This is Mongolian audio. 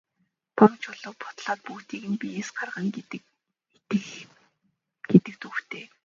Том чулууг бутлаад бүгдийг нь биеэс гаргана гэдэгт итгэнэ гэдэг төвөгтэй.